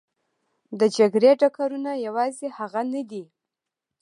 د جګړې ډګرونه یوازې هغه نه دي.